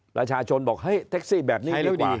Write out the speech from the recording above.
ประชาชนบอกเท็กซี่แบบนี้ดีกว่า